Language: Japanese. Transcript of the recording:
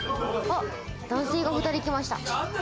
男性が２人来ました。